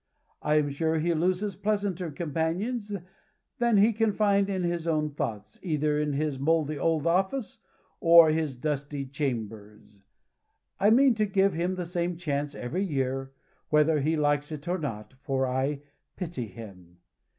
I am sure he loses pleasanter companions than he can find in his own thoughts, either in his mouldy old office, or his dusty chambers. I mean to give him the same chance every year, whether he likes it or not, for I pity him.